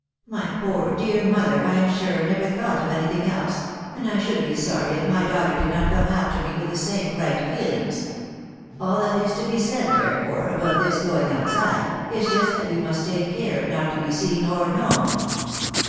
My poor, dear mother, I am sure, never thought of anything else, and I should be sorry if my daughter did not come after me with the same right feehngs. All that is to be said, therefore, about this • going outside, is just that we must take care not to be seen or known."